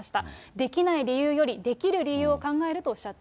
できない理由よりできる理由を考えるとおっしゃって